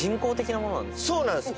そうなんです。